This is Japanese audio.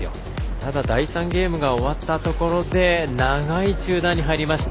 ただ、第３ゲームが終わったところで長い中断に入りました。